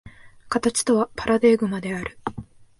形とはパラデーグマである。